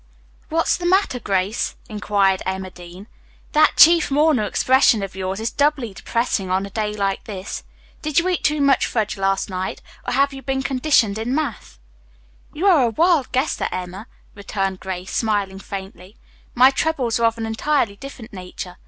"What's the matter, Grace?" inquired Emma Dean. "That chief mourner expression of yours is doubly depressing on a day like this. Did you eat too much fudge last night, or have you been conditioned in math?" "You are a wild guesser, Emma," returned Grace, smiling faintly. "My troubles are of an entirely different nature.